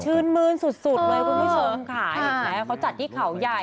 มืนสุดเลยคุณผู้ชมค่ะเห็นไหมเขาจัดที่เขาใหญ่